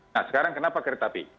nah sekarang kenapa keretapi